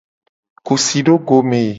Ku si do go me.